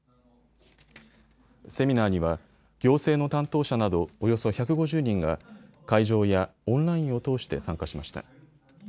セミナーには行政の担当者などおよそ１５０人が会場やオンラインを通して参加しました。